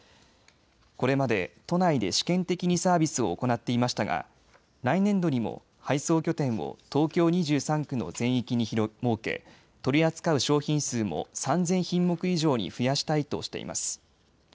これまで都内で試験的にサービスを行っていましたが来年度にも配送拠点を東京２３区の全域に設け取り扱う商品数も３０００品目以上に増やしたいとしています。